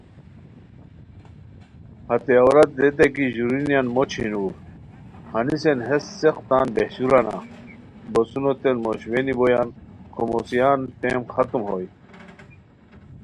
ہتے عورت ریتائے کی ژورونیان مو چھینور ہنیسین ہیس څیق تان بہچورانا! بوسونو تین موش وینی بویان کھوموسیان ٹیم ختم ہوئے